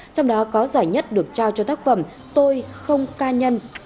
trong đó có giải nhất được trao cho tác phẩm tôi không ca nhân